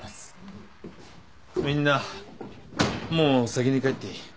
みんなもう先に帰っていい。